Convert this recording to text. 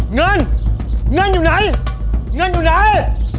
เงินเงินอยู่ไหนเงินอยู่ไหน